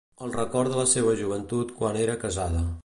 El record de la seua joventut quan era casada.